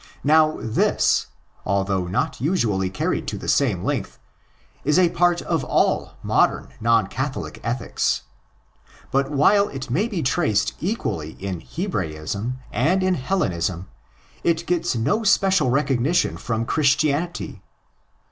Now this, although not usually carried to the same length, is ἃ part of all modern non Catholic ethics ; but, while it may be traced equally in '' Hebraism'"' and in '' Hellenism," if gets no special recognition from Christianity.